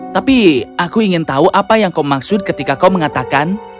tapi aku ingin tahu apa yang kau maksud ketika kau mengatakan